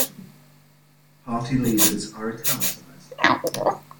Party leaders are italicized.